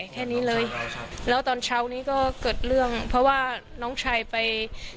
ก็เกิดเรื่องเพราะว่าน้องชายไป